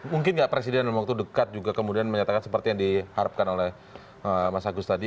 mungkin nggak presiden dalam waktu dekat juga kemudian menyatakan seperti yang diharapkan oleh mas agus tadi